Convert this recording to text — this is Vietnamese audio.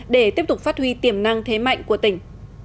để tiếp tục phát huy tiềm năng thế mạnh của tỉnh